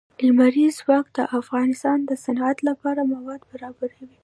لمریز ځواک د افغانستان د صنعت لپاره مواد برابروي.